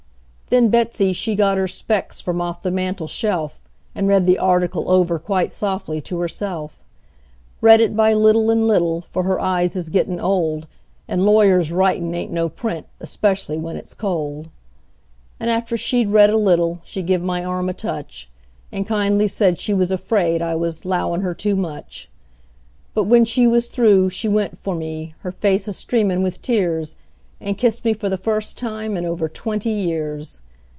Then Betsey she got her specs from off the mantel shelf, And read the article over quite softly to herself; Read it by little and little, for her eyes is gettin' old, And lawyers' writin' ain't no print, especially when it's cold. And after she'd read a little she give my arm a touch, And kindly said she was afraid I was 'lowin' her too much; But when she was through she went for me, her face a streamin' with tears, And kissed me for the first time in over twenty years!